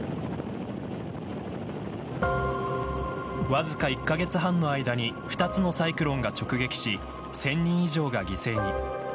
わずか１カ月半の間に２つのサイクロンが直撃し１０００人以上が犠牲に。